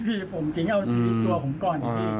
เอาชีวิตตัวผมก่อน